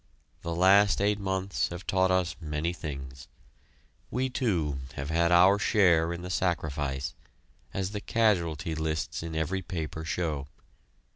The last eight months have taught us many things. We, too, have had our share in the sacrifice, as the casualty lists in every paper show.